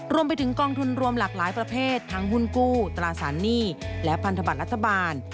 รวมไปถึงกองทุนรวมหลากหลายประเภททั้งหุ้นกู้ตราสารหนี้และพันธบัตรรัฐบาล